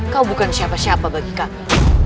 kau bukan siapa siapa bagi kami